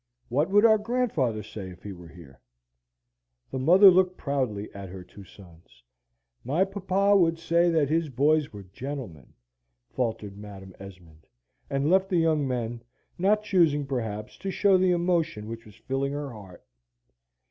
What would our grandfather say if he were here?" The mother looked proudly at her two sons. "My papa would say that his boys were gentlemen," faltered Madam Esmond, and left the young men, not choosing, perhaps, to show the emotion which was filling her heart.